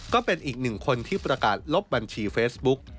ก็เป็นอีกหนึ่งคนที่ประกาศลบบัญชีเฟซบุ๊ก